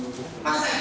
semuanya dari kita